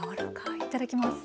いただきます。